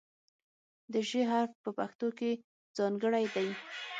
د "ژ" حرف په پښتو کې ځانګړی دی.